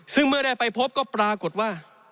ซึ่งเมื่อได้ไปพบก็ปรากฏว่า